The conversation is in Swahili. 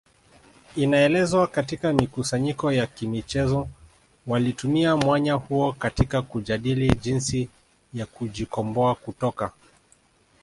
Inaelezwa katika mikusanyiko ya kimichezo walitumia mwanya huo katika kujadili jinsi ya kujikomboa kutoka